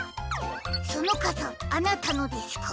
そのかさあなたのですか？